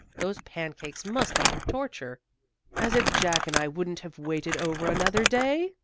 Those pan cakes must have been torture." "As if Jack and I wouldn't have waited over another day!"